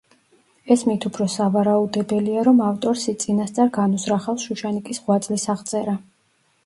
ეს მით უფრო სავარაუდებელია, რომ ავტორს წინასწარ განუზრახავს შუშანიკის ღვაწლის აღწერა.